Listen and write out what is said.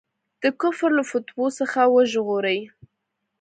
د کفر له فتواوو څخه وژغوري.